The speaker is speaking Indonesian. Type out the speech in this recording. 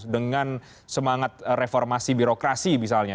dengan semangat reformasi birokrasi misalnya